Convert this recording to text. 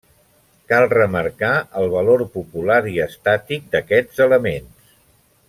Cal remarcar el valor popular i estàtic d'aquests elements.